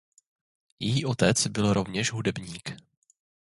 Její otec byl rovněž hudebník.